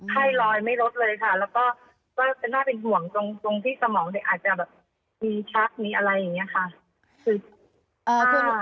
ไข้ลอยไม่ลดเลยค่ะแล้วก็จะน่าเป็นห่วงตรงที่สมองเด็กอาจจะแบบมีชักมีอะไรอย่างนี้ค่ะ